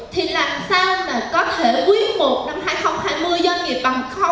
thì làm sao mà có thể quyết một năm hai nghìn hai mươi doanh nghiệp bằng